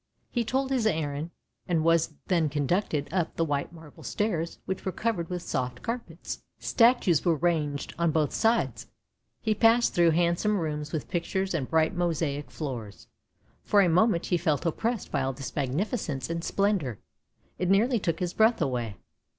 He told his errand, and was then conducted up the white marble stairs which were covered with soft carpets. 108 ANDERSEN'S FAIRY TALES Statues were ranged on both sides; he passed through hand some rooms Math pictures and bright mosaic floors. For a moment he felt oppressed by all this magnificence and splendour —it nearly took his breath away.